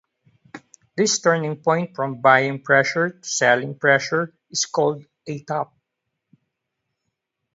This turning point from buying pressure to selling pressure is called a top.